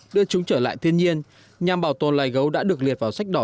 đưa chúng trở lại thiên nhiên nhằm bảo tồn loài gấu đã được liệt vào sách đỏ